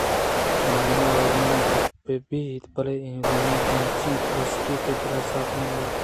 زمین ءُ آزمان یک بہ بنت بلئے ایمیلیا انچیں کڑوسکے کہ دلے صاف نہ بیت